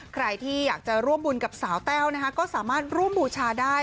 ใครที่อยากจะร่วมบุญกับสาวแต้วนะคะก็สามารถร่วมบูชาได้